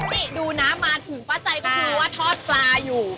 นี่ดูนะมาถึงป้าใจคือว่าทอดกล้าอยู่